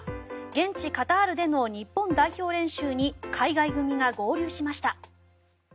現地カタールでの日本代表練習に海外組が合流しました。